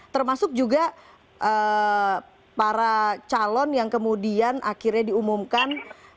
termasuk juga para calon yang kemudian akhirnya diumumkan